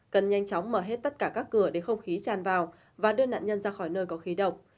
cần nhanh chóng mở hết tất cả các cửa để không khí tràn vào và đưa nạn nhân ra khỏi nơi có khí độc